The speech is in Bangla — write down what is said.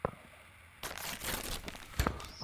আগুন ধরার লগে লগে আমি ডান পাশের জানালা দিয়া লাফাইয়া পড়ি।